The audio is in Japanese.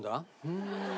うん。